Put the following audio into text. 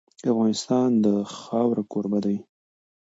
افغانستان د خاوره کوربه دی.